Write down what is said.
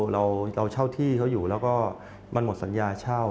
เราเช่าที่เขาอยู่แล้วก็มันหมดสัญญาเช่า